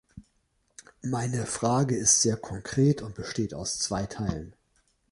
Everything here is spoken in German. Meine Frage ist sehr konkret und besteht aus zwei Teilen.